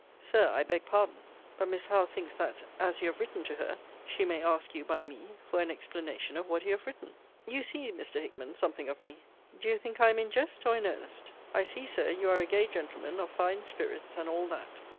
Sir, I beg pardon: but Miss Howe thinks that, as you have written to her, she may ask you, by me, for an explanation of what you have written. You see, Mr. Hickman, something of me. Do you think I am in jest, or in earnest? I see, Sir, you are a gay gentleman, of fine spirits, and all that.